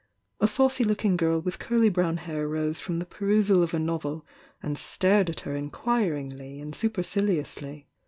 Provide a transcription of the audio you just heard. A saucy looking girl with curly brown hair rose from the perusal of a novel and stared at her inquiringly and superciliously.